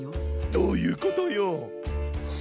どういうことよ。